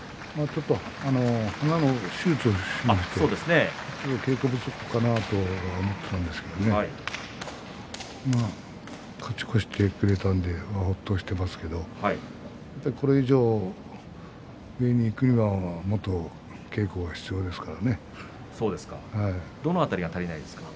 ちょっと鼻の手術をして稽古不足かなと思っていたんですけれども勝ち越してくれたのでほっとしていますけれどもこれ以上、上にいくにはもっともっと稽古がどの辺りが足りないですか。